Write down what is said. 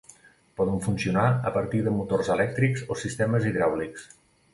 Poden funcionar a partir de motors elèctrics o sistemes hidràulics.